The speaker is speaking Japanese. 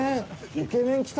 イケメン来た！